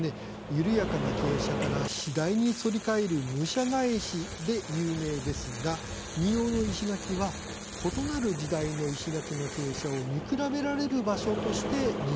緩やかな傾斜から次第に反り返る、武者返しで有名ですが、二様の石垣は異なる時代の石垣の傾斜を見比べられる場所として人気なんです。